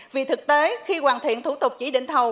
vì thực tế khi hoàn thiện thủ tục chỉ định thầu